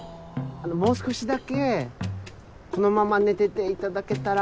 あのもう少しだけこのまま寝てていただけたら。